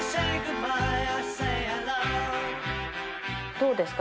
どうですか？